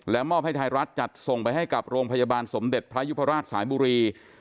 มอบให้ไทยรัฐจัดส่งไปให้กับโรงพยาบาลสมเด็จพระยุพราชสายบุรี